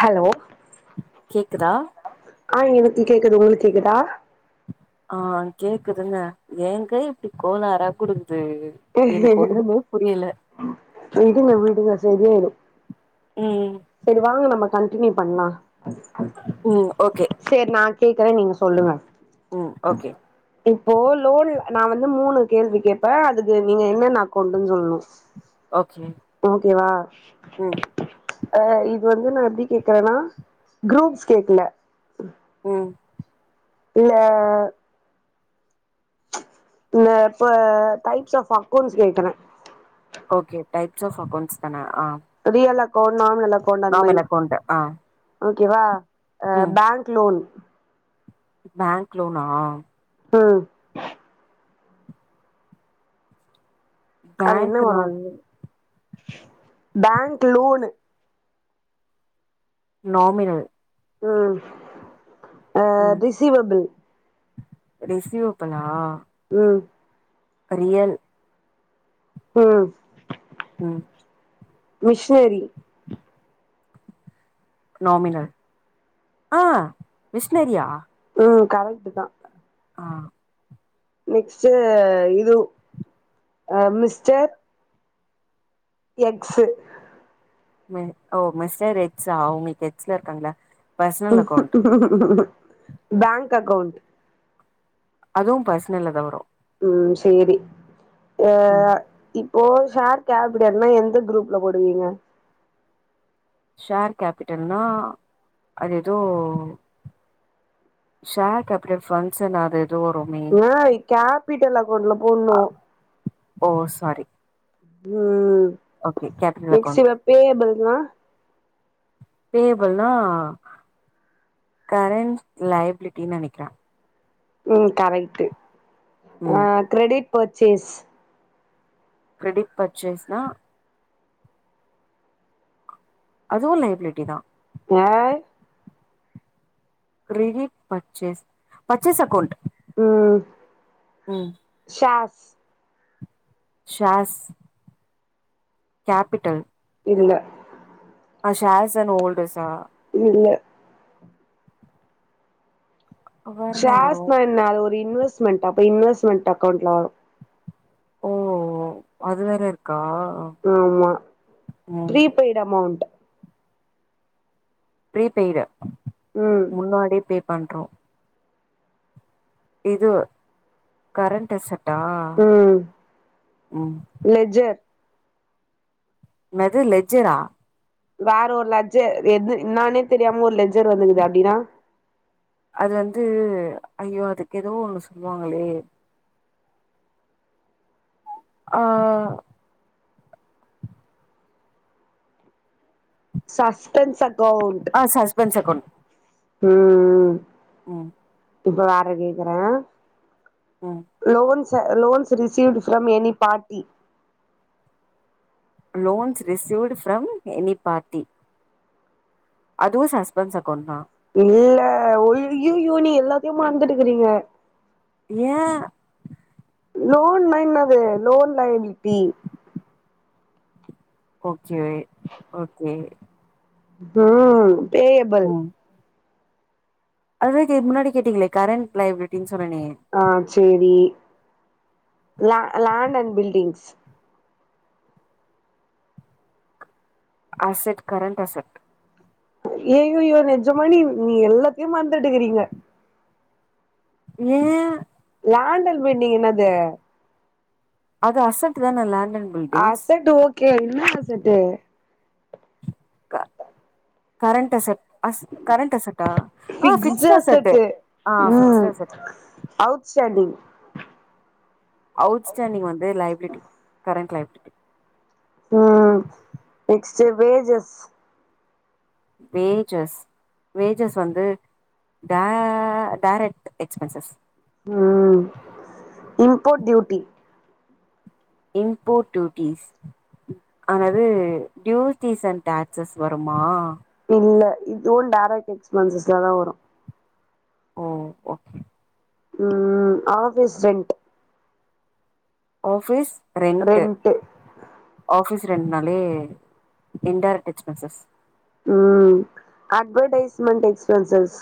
Hello கேக்குதா ஆ எனக்கு கேக்குது உங்களுக் கேக்குதா ஆ கேக்குதுங்க ஏங்க இப்டி கோளாரா குடுக்து விடுங்க விடுங்க சரியாயிரு ம் செரி வாங்க நம்ம கண்டினியூ பண்லா ம் ஓகே சேர் நா கேக்குறே நீங்க சொல்லுங்க ம் ஓகே இப்போ லோன்ல நா வந்து மூணு கேள்வி கேப்பே அது து நீங்க என்னன்ன அக்கவுண்டுன் சொல்ணு ஓகே ஓகேவா ம் அ இது வந்து நா எப்டி கேக்குறேன்னா குரூப்ஸ் கேக்கல ம் இல்ல இந்த இப்ப டைப்ஸ் ஆஃப் அக்கௌன்ஸ் கேக்குறே ஓகே டைப்ஸ் ஆஃப் அக்கௌண்ட்ஸ் தான ஆ ரியல் அக்கோண்ட் நார்மல அக்கோண்ட் அந்த மாரி நாமினல் அக்கௌண்ட் ஆ ஓகேவா ஆ ம் பேங்க் லோன் பேங்க் லோனா ம் அது என்ன வரு பேங்க்னால் பேங்க் லோனு நாமினல் ம் ஆ ரிசிவபிள் ரிசிவபுளா ம் ரியல் ம் ம் மிஸ்னரி நாமினல் ஆ மிஷ்னரியா ம் கரெக்ட்டு தா ஆ நெக்ஸ்ட்டு இதும் அ மிஸ்டர் எக்சு மே ஓ மெஸ்டர் எக்ஸா உங்களுக்கு எக்ஸ்லா இருக்காங்களா பர்சனல் அக்கௌண்ட் பங்க் அக்கௌண்ட் அதுவு பர்ஸ்னல்ல தா வரு ம் சரி அ ம் இப் ஓ ஷர் கேபிடள்னா எந்த க்ரூப்ல போடுவீங்க ஷர் கேப்பிட்டல்னா அது எதோ ஷர் கப்பிட்டல் ஃபங்க்ஷன் ஆது தோருமே ஏய் கேப்ப்பிடல் அக்கவ்ண்ட்ல அ போட்ணு ஓ சாரி ம் ஓகே கேபிட்டல் அக்கௌண்ட் டேபிள்னா பேபில்னா கரண்ட் லயபிலிட்டின் நெனைக்கிற ம் கரெக்ட்டு அ ம் கிரெடிட் பர்ச்சேஸ் கிரெடிட் பர்ச்சேஸ்னா அதுவு லையப்லிட்டி தா அய் கிரெடிட் பர்ச்சேஸ் பர்ச்சேஸ் அக்கௌண்ட் ம் சேர்ஸ் சேர்ஸ் கப்பிட்டல் இல்ல ஸேர்ஸ் அன் ஓல்டர்ஸா இல்ல வேற என்ன வரு ஷேர்ஸ்னா என்ன அது ஒரு இன்வெஸ்மெண்ட் அப்ப இன்வெஸ்மெண்ட் அக்கவ்ண்ட்ல வரு ஓ ஓ அது வேற இருக்கா ஆமா ம் ப்ரீபெய்ட் அமௌண்ட் பரீபெய்டு ம் முன்னாடியே பே பண்றோ இது கரண்ட் அசட் ம் ம் லெஜ்ஜர் என்னது லெஜ்ஜரா வேற ஒரு லஜ்ஜர் என்னானே தெரியாம ஒரு லஜ்ஜர் வந்துங்கது அப்டின்னா அது வந்து ஐயோ அதுக்கு எதோ ஒண்ணு சொல்லுவாங்களே ஆ சஸ்பென்ஸ் அக்கவுண்ட். ஆ சஸ்பென்ஸ் அக்கௌண்ட் ம் இப்ப வேற கேக்குற ம் loans. Loans received from any party. Loans received from any party. அதுவு சஸ்பண்ட்ஸ் அக்கவுண்ட்தா, இல்ல ஒய் யு ஐயையோ நீங்க எல்லாத்தையு மறந்துட்டுக்கிறீங்க. ஏன் லோன்னா என்னாது லோன் லைனிட்டி ஓகே ஓகே ம் கேயபல் ம் அதுதா கே முன்னாடி கேட்டீங்களே கரண்ட் லைப்பிரிட்டின் சொன்னனே ஆ சேரி ல land and buildings asset current asset ஏ ஐய்யோ நெஜமா நீ நீ எல்லாத்தையு மறந்துட்ருக்கிறீங்க ஏன் லாண்டல் மீட்டிங் என்னாது அது அஸ்ஸட்டுதான லாண்ட்டன் அஸ்ஸட்டு ஓகே என்னா asset current asset asset current அஸ்ஸட்டா அ ஃபிக்ஸ்டு பிக்ஸ்ட்டு அஸ்ஸட்டு அசட்டு ஆ பிக்ஸ்ட் ம் அஸ்ஸட் அவுட் ஸ்டாண்டிங் அவுட்ஸ்டாண்டிங் வந்து.. லையபிலிட்டி கரண்ட் லையபிலிட்டி ம் நெக்ஸ்ட் பேஜஸ். வேஜஸ். வேஜஸ் வந்து ட டயரெக்ட் எக்ஸ்பென்சஸ் ம் இம்போ்ட் டியூட்டி. Import duties. அல்லது டியூட்டிஸ் அண்ட் டாக்ஸஸ் வருமா இல்ல இதுவு டயரெக்ட் எக்ஸ்பன்சஸ்ல தா வரு ஓ ஓகே ம் அலபேஸ் rent office rent office rent நாளே இன்டயரெக்ட் எக்ஸ்பன்சஸ் ம் அட்வடைஸ்மென்ட் எக்ஸ்பென்சஸ்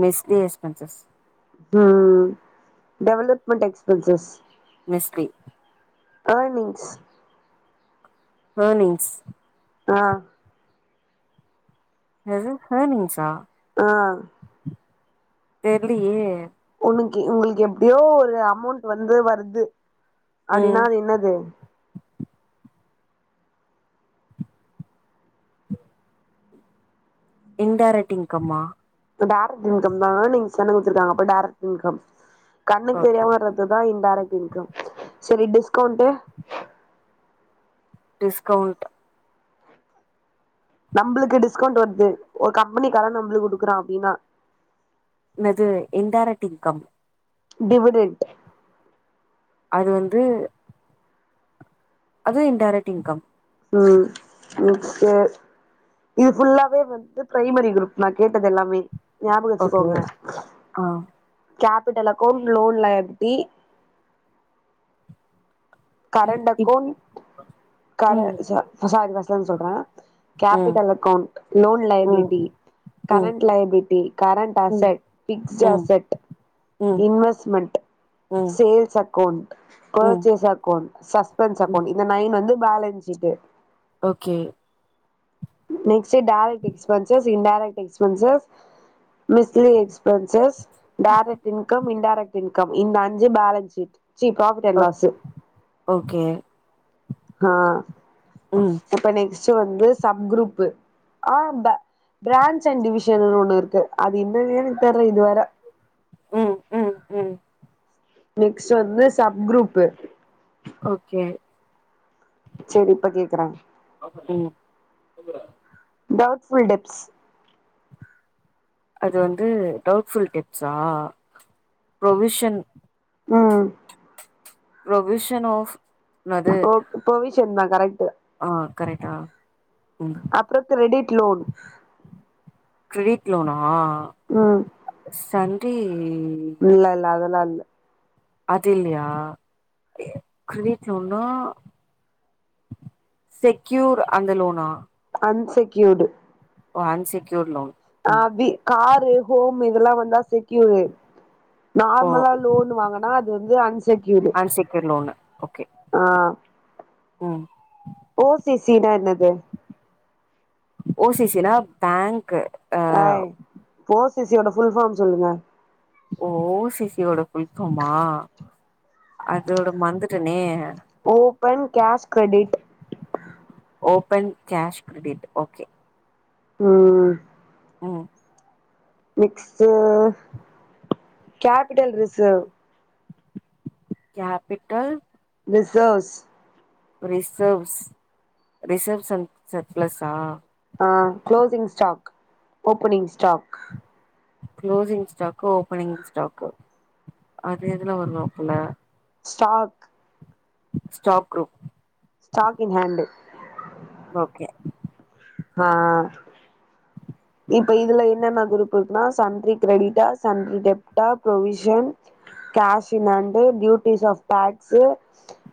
மெஸ்லி எஸ்பன்சஸ் ம் டெவலப்மென்ட் எக்ஸ்பென்சஸ் மெஸ்லி எர்னிங்ஸ் வர்னிங்ஸ் ஆ என்னது ஹர்னிங்ஸ்ஸா அ தெர்லயே உன்னுக்கி உங்ளுக்கு எப்டியோ ஒரு அமௌண்ட் வந்து வருது அப்டினா ம் அது என்னது இன்டேரக்ட் இன்கம்மா டேரக்ட் இன்கம்னா நீங் சொன்னது குடத்ருக்காங்க அப்ப டேரக்ட் இன்கம் கண்ணுக்கு ஓகே தெரியாம வர துதா இன்டேரக்ட் இன்கம் சரி டிஸ்கவ்ண்ட்டு டிஸ்கவ்ண்ட்டு நம்ளுக்கு டிஸ்கவ்ண்ட் வர்து ஒரு கம்முனிகாரன் நம்ளு குடுக்குறான் அப்டினா என்னது இன்டேரக்ட் இன்கம் டிவுடெண்ட்டு அது வந்து அது இன்டேரக்ட் இன்கம் ம் நெக்ஸ்ட்டு இது ஃபுல்லாவே வந்து ப்ரைமரி குரூப் நா கேட்டதெல்லாமே ஞாபக ஓகே வச்சுக்கோங்க ஆ கேபிட்டல் அக்கௌண்டு லோன் லயபிட்டி இ- இப் கரண்டக்கொண் கர ம் சா சாரி ஃபஸ்ல இருந்து சொல்ற ம் கேபிட்டல் அக்கௌண்ட் லோன் ம் லயபிலிட்டி ம் கரண்ட் லயபிலிட்டி கரண்ட் ம் அசட் பிக்ஸ்டு ம் அசட் ம் இன்வெஸ்மெண்ட்டு ம் சேல்ஸ் அக்கௌண்ட்டு ம் பர்ச்சேஸ் அ க்கோன் சஸ்பென்ஸ் ம் அக்கோண் இந்த நைன் வந்து balance sheet okay next direct expenses indirect expenses mixed expenses direct income indirect income இந்த அஞ்சு பேலன்ஸ் ஷீட் ச்சி ஓ கிராபிட்டல்லாஸு ஓகே ஆ ம் அப்ப நெக்ஸ்ட்டு வந்து sub group of branch and டிவிஷன்னு ஒன்னு இருக்கு அது இன்னன்னே எனக்கு தெர்ல இதுவர ம் ம் ம் நெக்ஸ்ட்டு வந்து சப் குரூப்பு ஓகே சேரி இப்ப கேக்குற ம் டவுட்ஃபுல் டெப்ஸ் அது வந்து டவுட்ஃபுல் டெப்ஸா ப்ரொவிஷன் ம் ப்ரொவிஷன் ஆஃப் என்னது போக்கு ப்ரொவிஷன்தா கரெக்ட்டு ஆ கரேட்டா அப்றோ கிரெடிட் லோன் கிரெடிட் லோனா ம் சண்ட்ரீ இல்லல்ல அதெல்லா இல்ல அது இல்லயா எ கிரிடிட் லோன்னா செக்யூர் அந்த லோனா அன்செக்யூர்டு ஓ அன்செக்யூர் லோன் ம் ஆபி காரு ஹோம் இதெல்லா வந்தா செக்யூர் ஓ நார்மலா லோன் வாங்கனா அது வந்து அன்செக்யூரு அன்செக்யூர் லோனு ஓகே ஆ ம் ஓ சி சி னா என்னது ஓ சி சி னா பேங்க்கு அ ஆய் ஓ சி சியோட ஃபுல் ஃபார்ம் சொல்லுங்க ஓ சி சி யோட ஃபுல் ஃபார்மா அதோட மந்துட்டனே open cash credit open cash credit okay ம் ம் next capital reserve capital reserves reserves reserves an சர்பிளஸ்ஸா ஆ closing stock opening stock closing stock opening stock அது எதுல ஒரு நோக்குல stock stock stock in hand okay ஆ இப்ப இதுல என்னென்ன குரூப் இருக்குன்னா சன்ட்ரி கிரெடிட்டா சன்ட்ரி டெப்டா provision cash in hand duties of tax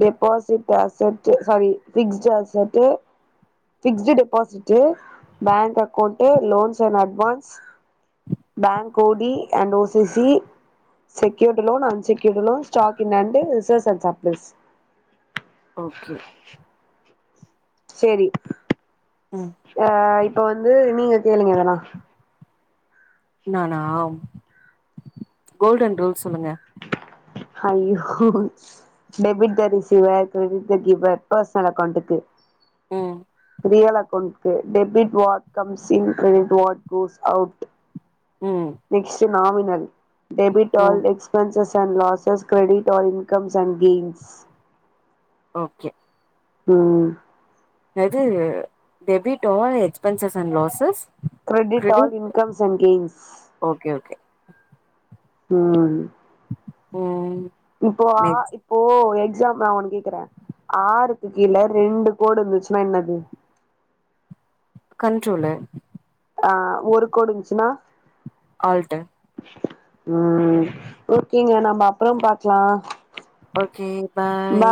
deposit asset sorry fixed asset fixed deposit bank account loans and advance bank OD and OCC secured loan unsecured loan stock in and reserves and surplus okay செரி ம் ஆ இப்ப வந்து நீங்க கேளுங்க அதெல்லா நானா golden rules சொல்லுங்க ஹய்யோ debit the receiver credit the giver personal அக்கௌண்ட்டுக்கு ம் ரியல் அக்கௌண்ட்க்கு debit what comes in credit what goes out ம் நெக்ஸ்ட் நாமினரி டெபிட் ஆல் ம் expenses and losses credit all incomes and gains okay ம் அது debit all expenses and losses credit all incomes and gains okay okay um um இப்போ ஆ ஓ exam நா ஒன்னு கேக்குறே ஆறுக்கு கீழ ரெண்டு கோடு இருந்துச்சுன்னா என்னது கண்ட்ரோலு ஆ ஒரு கோடு வந்துச்சுன்னா ஆல்டர் உம் ஓகேங்க நம்ம அப்புறம் பாக்கலாம் ஓகே பாய்